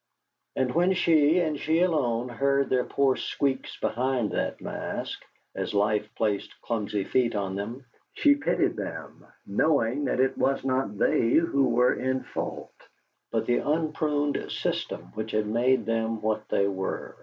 And when she, and she alone, heard their poor squeaks behind that mask, as Life placed clumsy feet on them, she pitied them, knowing that it was not they who were in fault, but the unpruned system which had made them what they were.